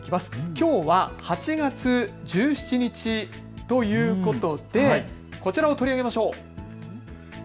きょうは８月１７日、ということでこちらを取り上げましょう。